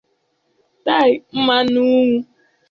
tie mmanwụ